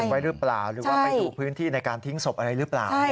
ไปถูกพื้นที่ในการทิ้งศพหรือเปล่า